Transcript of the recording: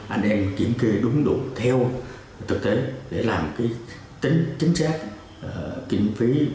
anh em kiểm kê đúng đủ theo thực tế để làm tính chính xác kiểm phí